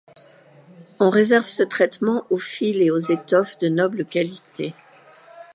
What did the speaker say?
On réserve ce traitement aux fils et aux étoffes de noble qualité.